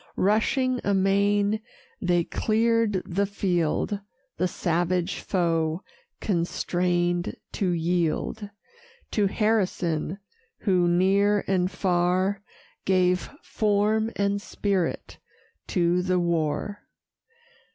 Rushing amain, they clear'd the field, The savage foe constrain'd to yield To Harrison, who, near and far, Gave form and spirit to the war.